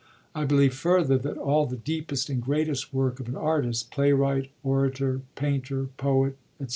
I believe, further, that all the deepest and greatest work of an artist— playwright, orator, painter, poet, &c.